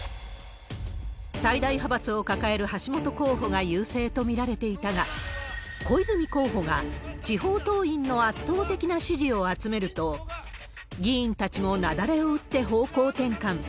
最大派閥を抱える橋本候補が優勢と見られていたが、小泉候補が地方党員の圧倒的な支持を集めると、議員たちも雪崩を打って方向転換。